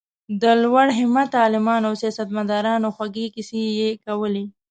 د لوړ همته عالمانو او سیاست مدارانو خوږې کیسې یې کولې.